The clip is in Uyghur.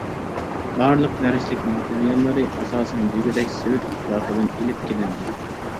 بارلىق دەرسلىك ماتېرىياللىرى ئاساسەن دېگۈدەك، سوۋېت ئىتتىپاقىدىن ئېلىپ كېلىندى.